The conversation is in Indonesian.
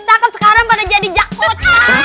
cakep sekarang pada jadi jakot